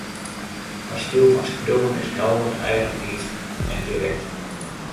Har styl fan skriuwen is helder, eigentiidsk en direkt